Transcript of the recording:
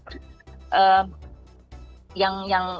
yang sebenarnya paling penting itu